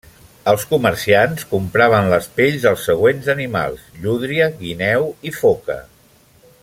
Els comerciants compraven les pells dels següents animals: llúdria, guineu i foca.